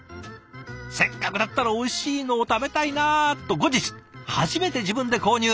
「せっかくだったらおいしいのを食べたいなあ」と後日初めて自分で購入。